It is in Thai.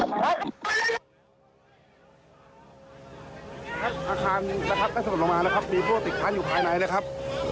อาคารนะครับได้สลบลงมานะครับมีทั่วติดค้างอยู่ภายในนะครับ